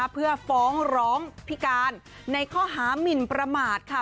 เพื่อฟ้องร้องพิการในข้อหามินประมาทค่ะ